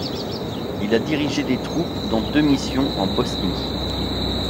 Il a dirigé des troupes dans deux missions en Bosnie.